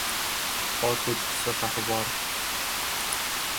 Qor koʻchkisi xavfi bor...